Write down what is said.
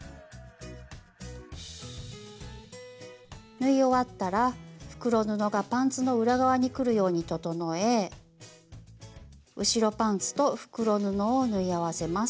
縫い終わったら袋布がパンツの裏側にくるように整え後ろパンツと袋布を縫い合わせます。